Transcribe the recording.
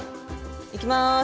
いきます。